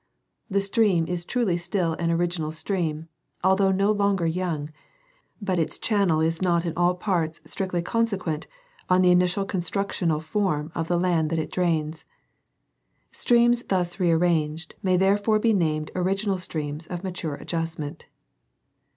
The stream is truly still an original stream, although no longer • young ; but its channel is not in all parts strictly consequent on the initial constructional form of the land that it drains. Streams thus re arranged may therefore be named original streams of mature adjustment.